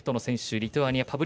リトアニア。